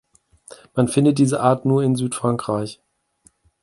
Man findet diese Art nur in Südfrankreich.